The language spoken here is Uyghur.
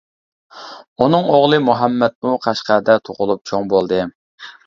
ئۇنىڭ ئوغلى مۇھەممەتمۇ قەشقەردە تۇغۇلۇپ چوڭ بولدى.